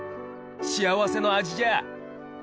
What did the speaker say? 幸せの味じゃあ！